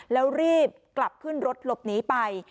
แล้วรีบกลับขึ้นรถหลบหนีไป